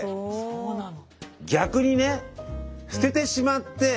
そうなの。